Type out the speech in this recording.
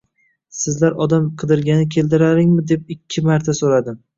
Sizlar odam qidirgani keldilaringmi, deb ikki marta so‘radim